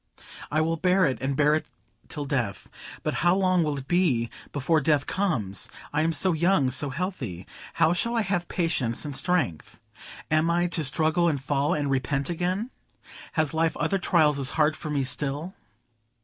"I will bear it, and bear it till death. But how long it will be before death comes! I am so young, so healthy. How shall I have patience and strength? Am I to struggle and fall and repent again? Has life other trials as hard for me still?"